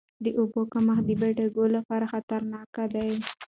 د اوبو کمښت د بډوګو لپاره خطرناک دی.